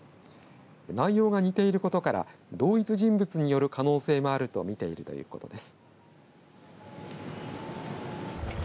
内容が似ていることから同一人物による可能性もあると見ているということです。